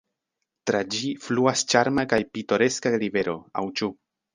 Tra ĝi fluas ĉarma kaj pitoreska rivero – aŭ ĉu?